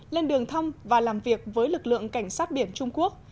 lên đường thăm và làm việc với lực lượng cảnh sát biển trung quốc